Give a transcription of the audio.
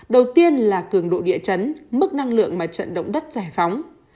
đầu tiên là cường độ địa chấn mức năng lượng mà trận động đất giải phóng